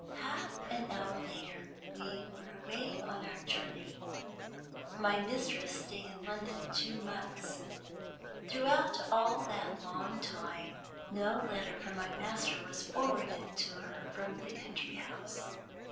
Half an hour later we were away on our journey. My mistress stayed in London two months. Throughout all that long time no letter from my master was forwarded to her from the country house.